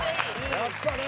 やっぱね。